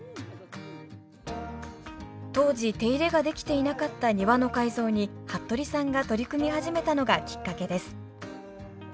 当時手入れができていなかった庭の改造に服部さんが取り組み始めたのがきっかけです。